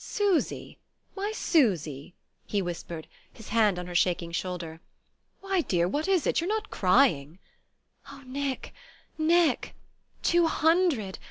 "Susy, my Susy," he whispered, his hand on her shaking shoulder. "Why, dear, what is it? You're not crying?" "Oh, Nick, Nick two hundred?